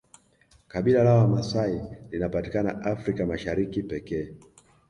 kabila la wamasai linapatikana africa mashariki pekee